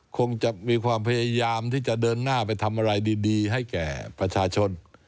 คงจะมีความพยายามที่จะเดินหน้าไปทำอะไรดีให้แก่ประชาชน